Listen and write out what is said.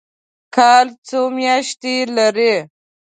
کال څو میاشتې لري؟